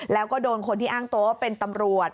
แล้วก็โดนคนที่อ้างตัวว่าเป็นตำรวจ